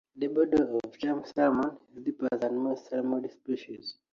The body of the chum salmon is deeper than most salmonid species.